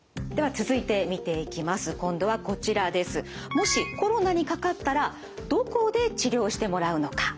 もしコロナにかかったらどこで治療してもらうのか？